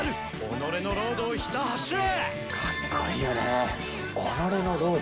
己のロードをひた走れ。